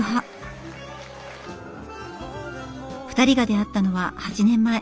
２人が出会ったのは８年前。